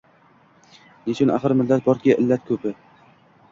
Nechun axir millat borki, illati koʼp